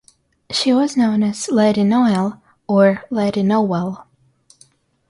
She was known as "Lady Noel" or "Lady Nowell".